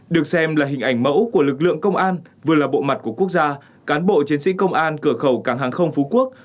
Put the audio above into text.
được xem là hình ảnh mẫu của lực lượng công an vừa là bộ mặt của quốc gia cán bộ chiến sĩ công an cửa khẩu cảng hàng không phú quốc